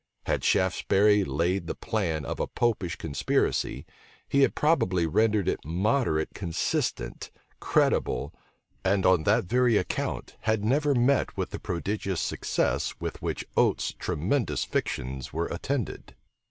Had Shaftesbury laid the plan of a Popish conspiracy, he had probably rendered it moderate consistent, credible; and on that very account had never met with the prodigious success with which Oates's tremendous fictions were attended.